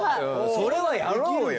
それはやろうよ！